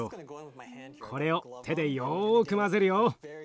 これを手でよく混ぜるよ。